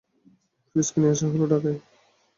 ফিরোজকে নিয়ে আসা হলো ঢাকায়।